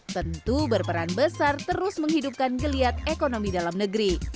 tentu berperan besar terus menghidupkan geliat ekonomi dalam negeri